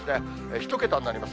１桁になります。